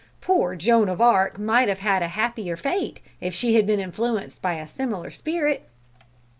Poor Joan of Arc might have had a happier fate if she had been influenced by a similar spirit!